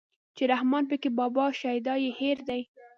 چې رحمان پکې بابا شيدا يې هېر دی